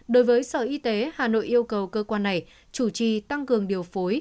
đối với sở y tế hà nội yêu cầu cơ quan này chủ trì tăng cường điều phối